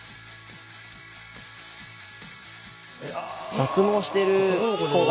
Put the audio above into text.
脱毛してる子が。